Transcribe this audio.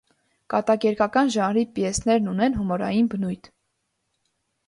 Կատակերգական ժանրի պիեսներն ունեն հումորային բնույթ։